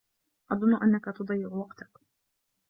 أظن أنك تضيع وقتك.